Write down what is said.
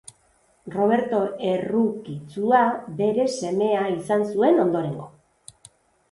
Roberto Errukitsua bere semea izan zuen ondorengo.